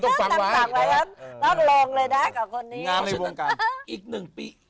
ต้องฟังไว้ครับต้องลองเลยนะกับคนนี้